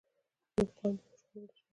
نو قام به وژغورل شي.